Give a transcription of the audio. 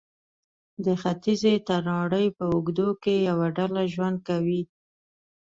د ختیځې تراړې په اوږدو کې یوه ډله ژوند کوي.